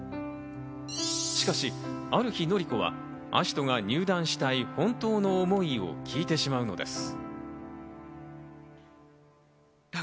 しかしある日、紀子は葦人が入団したい本当の思いを聞いてしまうんです。